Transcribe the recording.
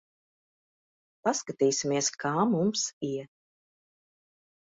Paskatīsimies, kā mums iet.